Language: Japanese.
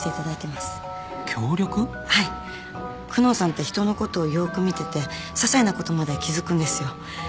久能さんって人のことをよーく見ててささいなことまで気付くんですよ